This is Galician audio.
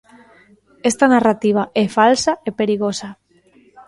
Esta narrativa é falsa e perigosa.